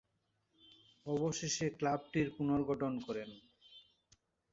অবশেষে ক্লাবটির পুনর্গঠন করেন।